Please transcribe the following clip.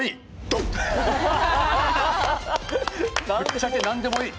ぶっちゃけ「なんでもいい！」。